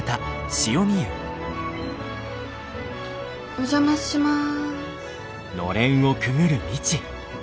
お邪魔します。